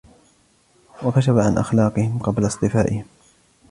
وَكَشَفَ عَنْ أَخْلَاقِهِمْ قَبْلَ اصْطِفَائِهِمْ